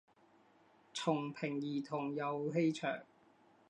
重平儿童游戏场